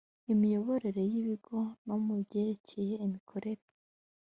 imiyoborere y’ibigo no mu byerekeye imikorere